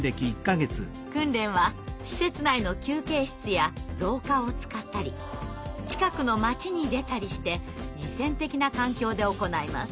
訓練は施設内の休憩室や廊下を使ったり近くの街に出たりして実践的な環境で行います。